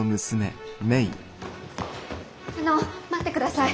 あの待ってください。